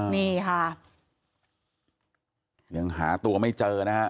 นี่ค่ะยังหาตัวไม่เจอนะฮะ